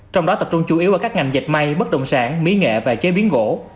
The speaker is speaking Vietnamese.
trong đó tập trung chủ yếu ở các ngành dịch may bất động sản mỹ nghệ và chế biến gỗ